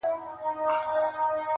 ستا په يادونو كي راتېره كړله.